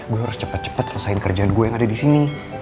gue ada kerjaan lain